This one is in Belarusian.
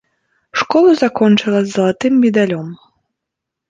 Школу закончыла з залатым медалём.